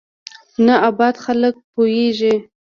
نه ابا خلک پوېېږي.